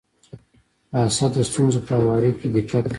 اسد د ستونزو په هواري کي دقت کوي.